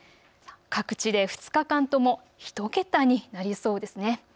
各地で２日間とも１桁になりそうです。